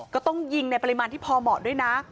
ก็ต้องยิงในปริมาณที่พอเหมาะด้วยนะ